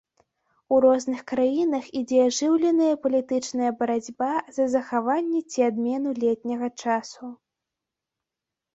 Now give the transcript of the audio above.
У розных краінах ідзе ажыўленая палітычная барацьба за захаванне ці адмену летняга часу.